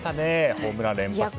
ホームラン連発で。